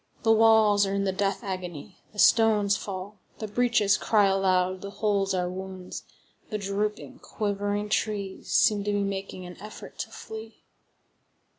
The walls are in the death agony, the stones fall; the breaches cry aloud; the holes are wounds; the drooping, quivering trees seem to be making an effort to flee.